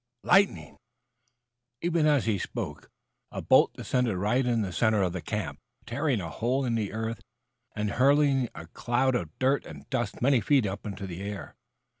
"Lightning." Even as he spoke a bolt descended right in the center of the camp, tearing a hole in the earth and hurling a cloud of dirt and dust many feet up into the air.